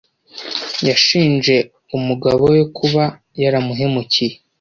Yashinje umugabo we kuba yaramuhemukiye.